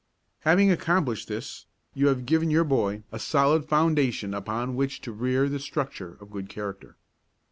Having accomplished this, you have given your boy a solid foundation upon which to rear the structure of good character.